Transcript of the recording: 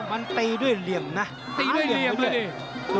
มันตีด้วยเหลี่ยมนะตีด้วยเหลี่ยมด้วย